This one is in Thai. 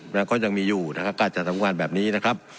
แล้วก็ยังมีอยู่นะครับการจัดทำงานแบบนี้นะครับ